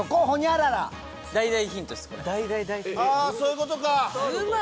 あそういうことか！